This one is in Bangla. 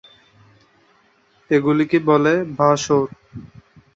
এগুলিকে বলে ভসৌর।